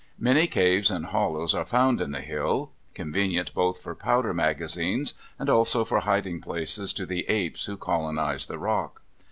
Many caves and hollows are found in the hill convenient both for powder magazines and also for hiding places to the apes who colonize the Rock.